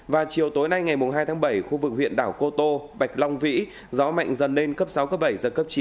và chiều tối nay ngày hai tháng bảy khu vực huyện đảo cô tô bạch long vĩ gió mạnh dần lên cấp sáu cấp bảy giật cấp chín